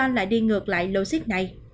omicron lại đi ngược lại lô xích này